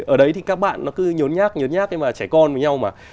ở đấy thì các bạn cứ nhớ nhát nhớ nhát như trẻ con với nhau mà